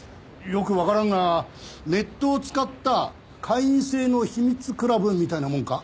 よくわからんがネットを使った会員制の秘密クラブみたいなもんか？